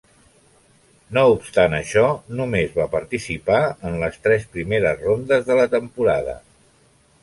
No obstant això, només va participar en les tres primeres rondes de la temporada.